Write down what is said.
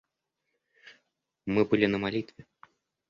Мы были на молитве.